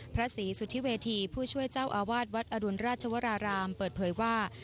พระศรีสุธิเวทีผู้ช่วยเจ้าอาวาสวัดอรุณราชวรารามเปิดเผยว่า